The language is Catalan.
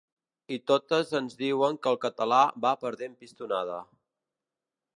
I totes ens diuen que el català va perdent pistonada.